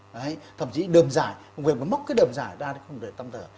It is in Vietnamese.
đấy thậm chí đường dài không phải mắc cái đường dài ra thì không thể tâm thở